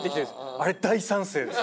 あれ大賛成です！